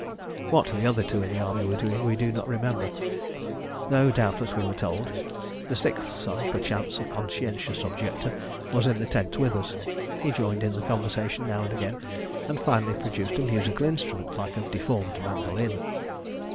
What the other two in the Army were doing we do not remember, though doubtless we were told. The sixth son, perchance a conscientious objector, was in the tent with us. He joined in the conversation now and again, and finally produced a musical instrument like a deformed mandolin.